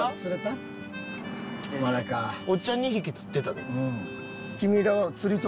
おっちゃん２匹釣ってたで。